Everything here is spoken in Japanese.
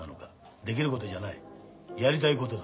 できることじゃないやりたいことだ。